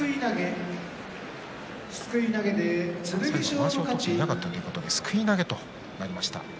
まわしを取っていなかったということですくい投げを取りました。